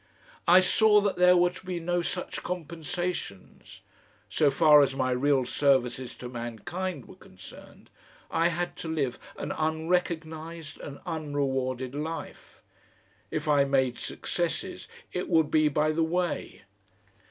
I saw that there were to be no such compensations. So far as my real services to mankind were concerned I had to live an unrecognised and unrewarded life. If I made successes it would be by the way.